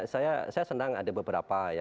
saya senang ada beberapa ya